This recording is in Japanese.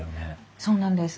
そうなんです。